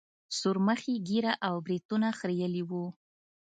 سورمخي ږيره او برېتونه خرييلي وو.